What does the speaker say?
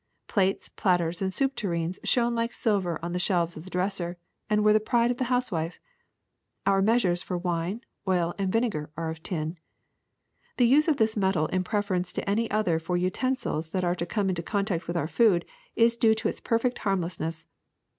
Plates, platters, and soup tureens shone like silver on the shelves of the dresser, and were the pride of the housewife. Our measures for wine, oil, and vinegar are of tin. The use of this metal in preference to any other for utensils that are to come in contact with our food is due to its perfect harm lessness.